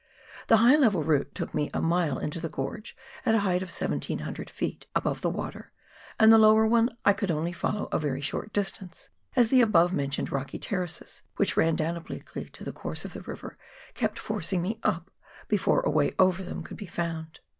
The high level route took me a mile into the gorge, at a height of 1,700 ft. above the water, and the lower one I could only follow a very short distance, as the above mentioned rocky terraces, which ran down obliquely to the course of the river, kept forcing me up, before a way over them could be found.